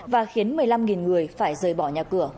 và khiến một mươi năm người phải rời bỏ nhà cửa